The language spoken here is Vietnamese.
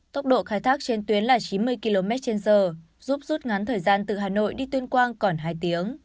tốc độ khai thác trên tuyến là chín mươi km trên giờ giúp rút ngắn thời gian từ hà nội đi tuyên quang còn hai tiếng